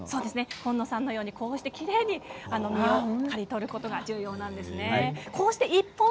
紺野さんのようにこのぐらいきれいに実を取ることが重要なんですね。